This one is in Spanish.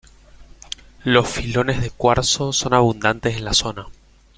Los filones de cuarzo son abundantes en la zona.